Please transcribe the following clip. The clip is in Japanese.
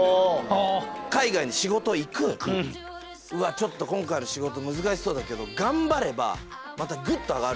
ちょっと今回の仕事難しそうだけど頑張ればまたぐっと上がる。